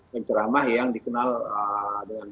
pencerama yang dikenal dengan